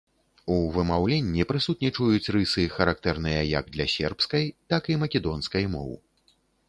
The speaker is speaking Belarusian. У вымаўленні прысутнічаюць рысы, характэрныя як для сербскай, так і македонскай моў.